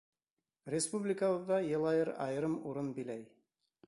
Республикабыҙҙа Йылайыр айырым урын биләй.